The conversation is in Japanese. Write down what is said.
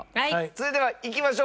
それではいきましょう。